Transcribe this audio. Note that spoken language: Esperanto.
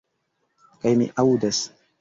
Kaj mi aŭdas.